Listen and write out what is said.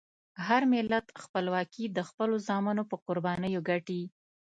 هر ملت خپلواکي د خپلو زامنو په قربانیو ګټي.